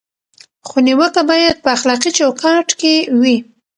خو نیوکه باید په اخلاقي چوکاټ کې وي.